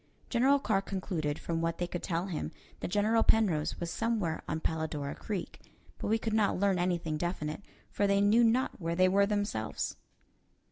General Carr concluded, from what they could tell him, that General Penrose was somewhere on Palladora Creek; but we could not learn anything definite, for they knew not where they were themselves.